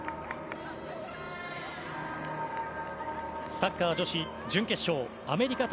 サッカー女子準決勝アメリカ対